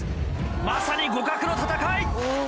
まさに互角の戦い！